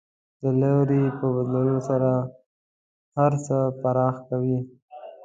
د لوري په بدلولو سره هر څه پراخ کوي.